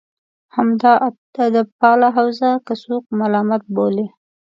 همدا ادبپاله حوزه که څوک ملامت بولي.